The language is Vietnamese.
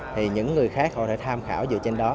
thì những người khác họ đã tham khảo dựa trên đó